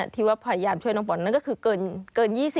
ที่ว่าพยายามช่วยน้องปอนนั่นก็คือเกิน๒๐